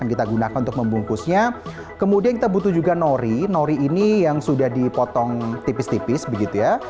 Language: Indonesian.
ini yang sudah dipotong tipis tipis begitu ya